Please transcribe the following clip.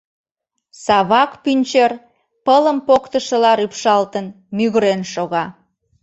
Савак пӱнчер, пылым поктышыла рӱпшалтын, мӱгырен шога.